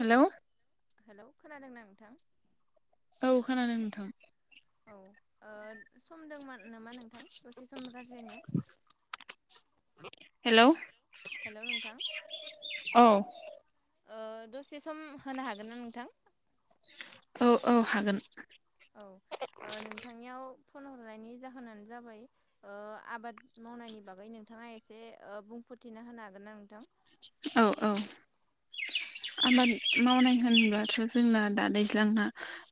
Hello hello खोनादोंना नोंथां औ खोनादों नोंथां औ ओ समदोंमोन ना नोंथां दसे सम रायज्लायनो हेलौ हेलौ नोंथां औ ओ दसे सम होनो हागोनना नोंथां औ औ हागोन औ ओ नोंथांनियाव फन हरनायनि जाहोनानो जाबाय ओ आबाद मावनायनि बागै नोंथाङा एसे ओ बुंफोरथिना होनो हागोन ना नोंथां औ औ आबाद मावनाय होनब्लाथ जोंना दा दैज्लांना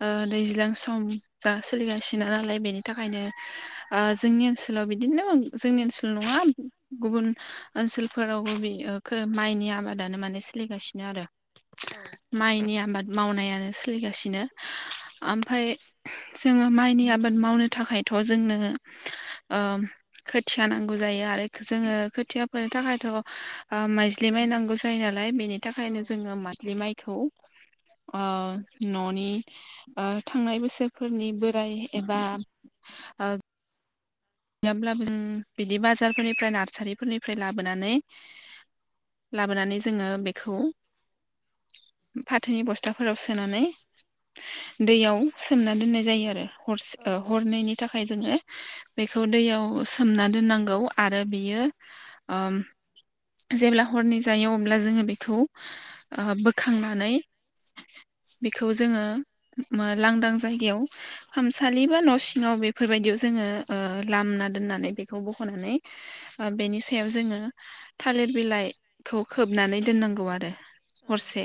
ओ दैज्लां सम दा सोलिगासिनो नालाय बेनि थाखायनो ओ जोंनि ओनसोलाव बिदिनो जोंनि ओनसोल नङा गुबुन ओनसोलफोरावबो बे खो माइनि आबादानो माने सोलिगासिनो आरो औ माइनि आबाद मावनायानो सोलिगासिनो ओमफ्राय जोङो माइनि आबाद आबाद मावनो थाखायथ जोंनो ओ खोथिया नांगौ जायो आरो जोङो खोथिया फोनो थाखायथ माइज्लि माइ नांगौ जायो नालाय बेनि औ थाखायनो मासलि माइखौ ओ न'नि बा थांनाय बोसोर फोरनि बोराय एबा गैयाब्लाबो जों बिदि बाजारफोरनिफ्राय नार्सारिफोरनिफ्राय लाबोनानै लाबोनानै जोङो बेखौ फाथोनि बस्थाफोराव सोनानै दैयाव सोमना दोननाय जायो आरो औ हरसे हरनायनि थाखाय जोङो बेखौ दैयाव सोमना दोननांगौ आरो बियो जेब्ला हरनि जायो अब्ला जोङो बेखौ बोखांनानै बेखौ जोङो लांदां जायगायाव खामसालि बा न' सिङाव बेफोरबायदियाव जोङो ओ लामा दोननानै बेखौ बखनानै बेनि सायाव जोङो थालिर बिलाइखौ खोबनानै दोननांगौ आरो औ हरसे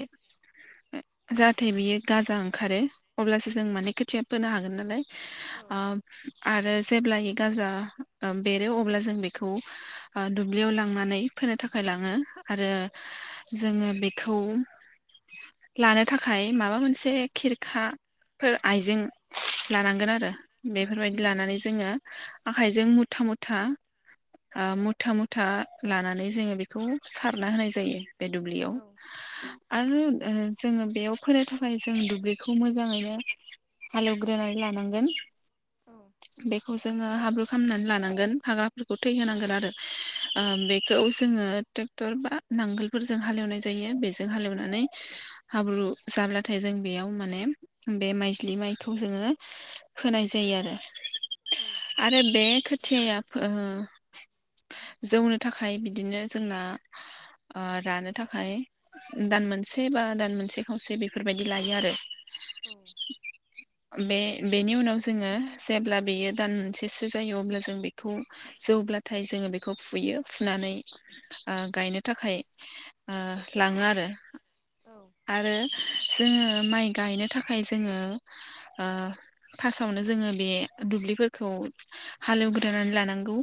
जाहाथे बियो गाजा ओंखारो अब्लासो जों माने खोथिया फोनो हागोन नालाय औ ओ आरो जेब्लाय गाजा बेरो अब्ला जों बेखौ दुब्लियाव लांनानै फोनो थाखाय लाङो आरो जोङो बेखौ लानो थाखाय माबा मोनसे खिरखाफोर आइजें लानांगोन आरो औ बेफोरबायदि लानानै जोङो आखाइजों मुथा मुथा मुथा मुथा लानानै जोङो बेखौ सारना होनाय जायो बे दुब्लियाव औ आरो जोङो बेयाव फोनो थाखाय जों दुब्लिखौ मोजाङैनो हालेवग्रोनानै लानांगोन बेखौ जोङो हाब्रु खालामामनानै लानांगोन हाग्राफोरखौ थै होनांगोन आरो ओ बे खौ जोङो ट्रेक्टर बा नांगोलफोरजों हालेवनाय जायो बेजों हालेवनानै हाब्रु जाब्लाथाय जों बेयाव माने बे माइज्लि माइखौ जोङो फोनाय जायो आरो आरो बे खोथियाया जौनो थाखाय बिदिनो जोंना ओ रानो थाखाय दान मोनसे बा दान मोनसे खावसे बेफोरबायदि लायो आरो। औ बे बेनि उनाव जोङो जेब्ला बेयो दान मोनसेसो जायो अब्ला जों बे बे खौ जौब्लाथाय जोङो बेखौ फुयो। फुनानै ओ गायनो थाखाय ओ लाङो आरो। औ आरो जोङो माइ गायनो थाखाय जोङो ओ फार्स्टावनो जोङो बे दुब्लिफोरखौ हालेव गोदनानै लानांगौ।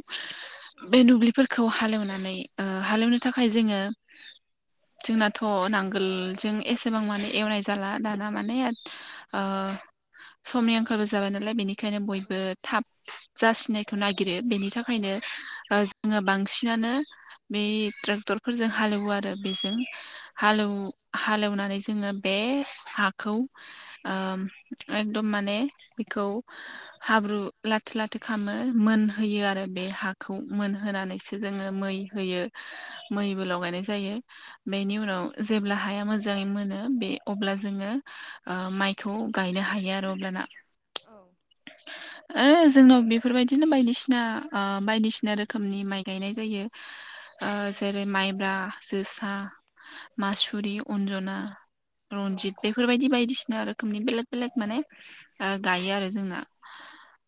बे दुब्लिफोरखौ हालेवनानै ओ हालेवनो थाखाय जोङो जोंनाथ' नांगोल जों एसेबां माने एवनाय जाला दाना माने ओ समनि आंखालबो जाबाय नालाय बेनिखायनो बयबो थाब जासिनायखौ नागिरो बेनि थाखाय खायनो ओ जोङो बांसिनानो बे ट्रेक्टरफोरजों हालेवो आरो बेजों हालेव वनानै जोङो बे हाखौ ओ एकदम माने बेखौ हाब्रु लाथो लाथो खालामामो मोनहोयो आरो बे हाखौ मोनहोनानैसो जोङो मै होयो मैबो लगायनाय जायो बेनि उनाव जेब्ला हाया मोजाङै मोनो बे अब्ला जोङो ओ माइखौ गायनो हायो आरो अब्लाना। औ ओ जोंनाव बेफोरबायदिनो बायदिसिनाओ बायदिसिना रोखोमनि माइ गायनाय जायो। जायो ओ जेरै माइब्रा जोसा मास जुरि अन्जना रनजित बे बेफोरबायदि बायदिसिना रोखोमनि बेलेक बेलेक माने ओ गायो आरो जोंहा।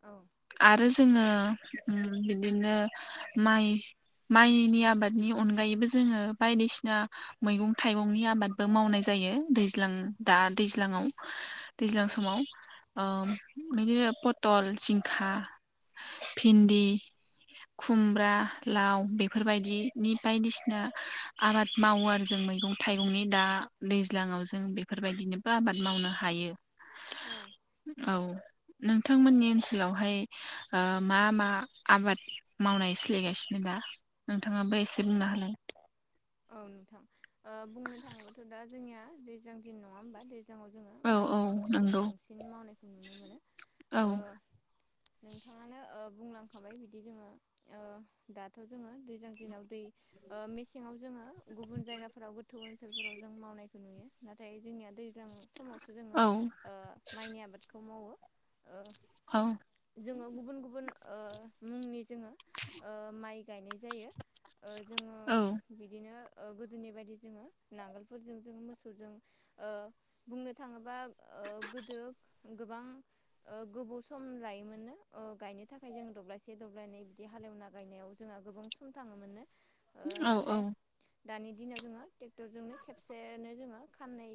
औ आरो जोङो बिदिनो माइ माइनि आबादनि अनगायैबो जोङो बायदिसिना मैगं थाइ थाइगंनि आबादबो मावनाय जायो दैज्लां दा दैज्लाङाव। दैज्लां समाव ओ बिदिनो पथल जिंखा। भिन्दि खुमब्रा लाव बेफोरबायदिनि बायदिसिना आबाद मावो आरो जों मैगं। थाइगंनि दा दैज्लाङाव जों बेफोरबायदिनोबो आबाद मावनो हायो। औ औ नोंथांमोननि ओनसोलावहाय ओ मा मा आबाद मावनाय सोलिगासिनो दा? नोंथांङाबो एसे बुंना होलाय। औ नोंथां ओ बुंनो थांङोबथ' दा जोंनिया दैज्लां दिन नंङा होमबा दै सिगांङाव जोंङो औ औ माइनि आबादखौ नंगौ बांसिन मावनायखौ नुनो मोनो औ ओ नोंथांङानो ओ बुंलांखाबाय बिदि जोंङो ओ दाथ' जोंङो दैजां दिनाव दै ओ मेसेङाव जोंङो गुबुन जायगाफोराव गोथौ ओनसोलफोराव जों मावनायखौ नुयो नाथाय जोंनिया दैज्लां समावसो जोंङो औ ओ माइनि आबादखौ मावो ओ औ जोंङो गुबुन गुबुन ओ मुंनि जोंङो ओ माइ गायनाय जायो। ओ जोंङो औ बिदिनो ओ गोदोनि बायदि जोंङो नांगोलफोरजों जोंङो मोसौजों ओ बुंनो थांङोबा ओ गोदो गोबां ओ गोबाव सम लायोमोन नों ओ गायनो थाखाय जोंङो दब्लायसे दब्लायनै बिदि हालेवना गायनायाव जोंहा गोबां सम थांङोमोननो ओ औ नाथाय औ दानि दिनाव जोङो ट्रेक्टरजोंनो खेबसेनो जोङो खाननै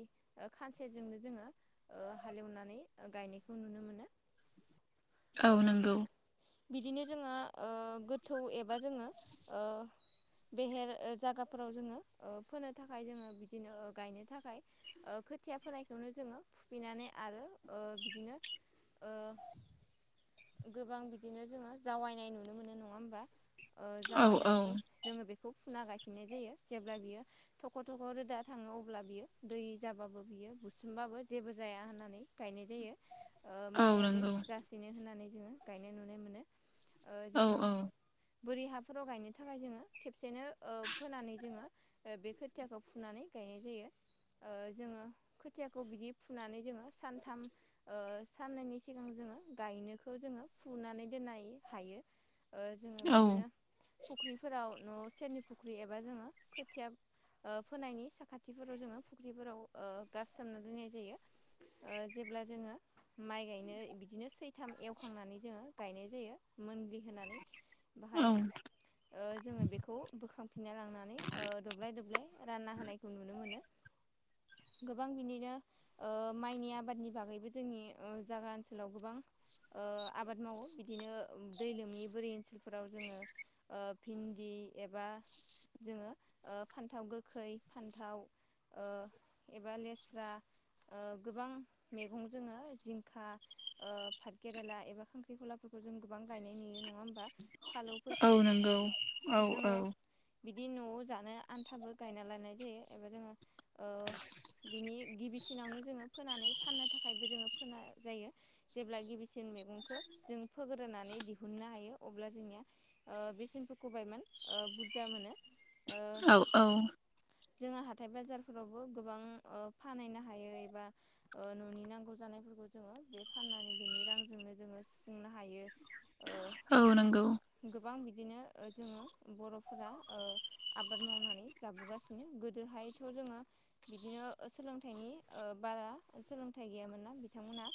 ओ खानसेजोंनो जोङो ओ हालेवनानै गायनायखौ नुनो मोनो। औ ओ नंगौ बिदिनो जोङो गोथौ एबा जोंङो बेहेर ओ जायगाफोराव जोंङो ओ फोनो थाखाय जोंङो बिदिनो गायनो थाखाय ओ खोथिया फोनायखौनो जोंङो फुफैनानै आरो बिदिनो ओ गोबां बिदिनो जोंङो जावैनाय नुनो मोनो नंङा होमबा औ औ जावायनानै जोंङो बेखौ फुना गायफिननाय जायो जेब्ला बियो थख' थख' रोदा थांङो अब्ला बियो दै जाबाबो बियो बुसोमबाबो जेबो जाया होननानै गायनाय जायो ओ औ माइयाबो नंगौ जासिनो होननानै जोंङो गायनाय नुनो मोनो ओ औ जोंङो औ बोरि हाफोराव गायनो थाखाय जोंङो खेब सेनो ओ फोनानै जोंङो बे खोथियाखौ फुनानै गायनाय जायो ओ जोंङो खोथियाखौ बिदि फुनानै जोंङो सानथाम ओ साननैनि सिगां जोंङो गायनोखौ जोंङो फुनानै दोननाय हायो ओ जोंङो औ बिदिनो फुख्रिफोराव न' सेरनि फुख्रि एबा जोंङो खोथिया ओ फोनायनि साखाथिफोराव जोङो फुख्रिफोराव ओ गारस्रोमना दोननाय जायो। ओ जेब्ला जोंङो माइ गायनो बिदिनो सैथाम एवखांनानै जोंङो गायनाय जायो मोनग्लि होनानै बाहाय औ ओ जोंङो बेखौ बोखांफिनना लांनानै ओ दब्लाय दब्लाय रानना होनायखौ नुनो मोनो गोबां बिनिनो ओ माइनि आबादनि बागैबो जोंनि जागा ओनसोलाव गोबां ओ आबाद मावो बिदिनो दै लोमनि बोरै ओनसोलफोराव जोंङो ओ भिन्दि एबा जोंङो ओ फान्थाव गोखै फान्थाव ओ एबा लेस्रा ओ गोबां मैगं जोंङो जिंखा ओ पाथ केेरेला एबा खांख्रिखलाफोरखौ जों गोबां गायनाय नुयो नंङा होमबा औ नोंगौ जोंङो बिदि न'आव जानो आन्थाबो गायना लायानाय जायो एबा जोंङो ओ बिनि गिबिसिनावनो जोंङो फोनानै फाननो थाखायबो जोंङो फोना जायो जेब्ला गिबिसिन मैगंखौ जों फोग्रोनानै दिहुननो हायो अब्ला जोंनिया ओ बे सेम्पुखौ बायमान बुरजा मोनो औ औ जोंङो हाथाय बाजारफोरावबो गोबां ओ फानहैनो हायो एबा ओ न'नि नांगौ जानायफोरखौ जोंङो बे फाननानै बेनि रांजोंनो जोंङो सुफुंनो हायो ओ औ नोंगौ गोबां बिदिनो ओ जोङो बर'फोरा ओ आबाद मावनानै जाबोगासिनो गोदोहायथ' जोङो बिदिनो सोलोंथाइनि बारा सोलोंथाइ गैयामोन ना बिथांमोनहा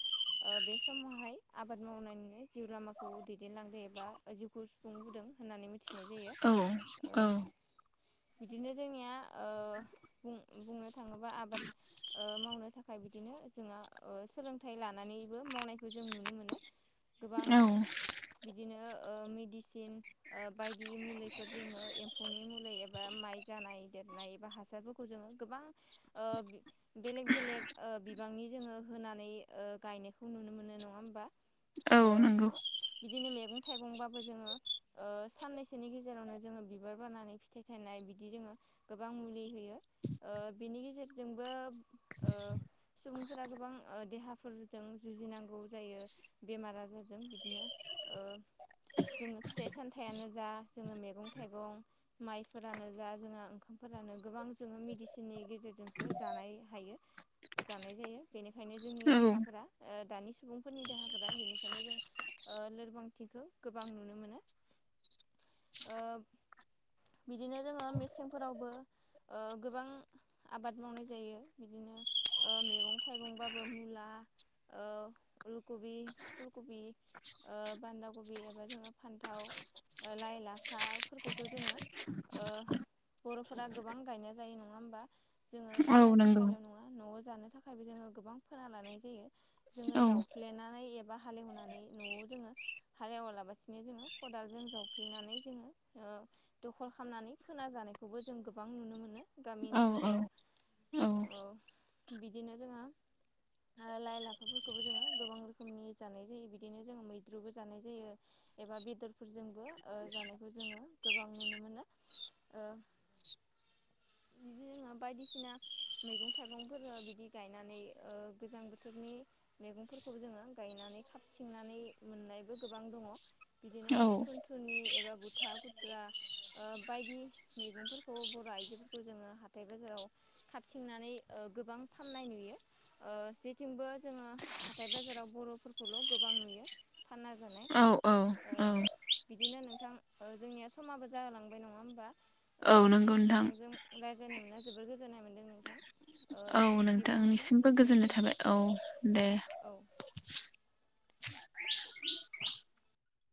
ओ बे समावहाय आबाद मावनानैनो जिउ लामाखौ दैदेनलांदो एबा जिउ सुफुंबोदों होननानै मिथिनाय जायो औ औ [unintelligible] बिदिनो जोंनिया ओ बुं बुंनो थाङोबा आबाद ओ मावनो थाखाय बिदिनो जोंहा सोलोंथाइ लानानैबो मावनायखौ जों नुनो मोनो गोबां औ बिदिनो ओ मेडिसिन बायदि मुलि फोरजोंनो एम्फौनि मुलि एबा माइ जानाय देरनाय एबा हासारफोरखौ जोङो गोबां ओ बेलेग बेलेग ओ बिबांनि जोङो होनानै गायनायखौ नुनो मोनो नङा होमबा औ ओ नंगौ बिदिनो मेगं-थाइगंबाबो जोङो ओ साननैसोनि गेजे जेरावनो जोङो बिबार बारनानै फिथाइ थायनाय बिदि जोङो गोबां मुलि होयो ओ बिनि गेजेरजोंबो ओ सुबुंफोरा गोबां ओ देहाफोरजों जुजिनांगौ जायो बेमार-आजारजों बिदिनो ओ जोङो फिथाइ-सामथायानो जा जोङो मेगं-थाइगं माइफोरानो जा जोंहा ओंखामफोरानो गोबां जोङो मेडिसिननि गेजेरजोंसो जानाय हायो जानाय जायो बेनिखायनो जोंनि देहाफोरा ओ दानि सुबुंफोरनि देहाफोरा बेनिखायनो जों ओ लोरबांथिखौ गोबां नुनो मोनो ओ बिदिनो जोङो मेसेंफोरावबो ओ गोबां आबाद मावनाय जायो बिदिनो ओ मेगं-थाइगंबाबो मुला ओ उलकुबि, फुलकुबि ओ बान्दा कबि एबा जोङो फान्थाव ओ लाइ-लाफाफोरखौथ' जोङो ओ बर'फोरा गोबां गायनाय जायो नङा होमबा जोङो औ फाननो नंगौ थाखायल' नङा न'आव जानो थाखायबो जोङो गोबां फोना लानाय जायो औ जोङो जावफ्लेनानै एबा हालेवनानै न'आव जोङो हाले एवालाबासिनो जोङो खदालजों जावफ्लेनानै जोङो ओ दख'ल खामनानै फोना जानायखौबो जों गोबां नुनो मोनो गामि औ ओनसोलफोराव ओ बिदिनो जोङो ओ लाइ-लाफाफोरखौबो जोङो गोबां रोखोमनि जानाय जायो बिदिनो जोङो मैद्रुबो जानाय जायो एबा बेदरफोरजोंबो ओ जानायखौ जोङो गोबां नुनो मोनो ओ बिदि जोङो बायदिसिना मैगं-थाइगंफोर बिदि गायनानै ओ गोजां बोथोरनि मैगंफोरखौबो जोङो गायनानै खाबथिंनानै मोननायबो गोबां दङ' बिदिनो औ थुनथुनि एबा गुथा गुद्रा ओ बायदि मैगंफोरखौ बर' आइजोफोरखौ जोङो हाथाइ बाजाराव खाबथिंनानै ओ गोबां फाननाय नुयो ओ जेथिंबो जोङो हाथाय-बाजाराव बर'फोरखौल' गोबां नुयो फानना जानाय औ औ ओ बिदिनो नोंथां ओ जोंनिया समाबो जाहोलांबाय नङा होमबा ओ औ नंगौ नोंथां नोंथांजों रायज्लायनो मोनना जोबोद गोजोननाय मोन्दों नोंथां ओ औ बिदिब्ला नोंथां नोंथांनिसिमबो गोजोननाय दोनथ'निसै नामा थाबाय औ दे। औ